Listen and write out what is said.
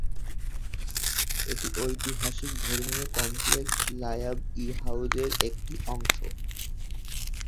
এটি ঐতিহাসিক ধর্মীয় কমপ্লেক্স লায়াব-ই হাউজের একটি অংশ।